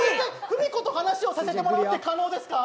フミコと話をさせてもらうって可能ですか？